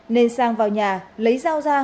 nên sang vào nhà lấy dao ra